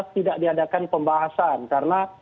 tidak diadakan pembahasan karena